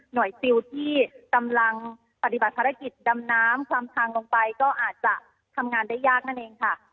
ซิลที่กำลังปฏิบัติภารกิจดำน้ำความทางลงไปก็อาจจะทำงานได้ยากนั่นเองค่ะ